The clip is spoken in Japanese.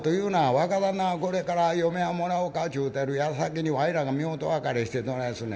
若旦那がこれから嫁はんもらおうかちゅうてるやさきにわいらが夫婦別れしてどないすんね」。